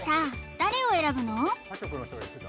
誰を選ぶの？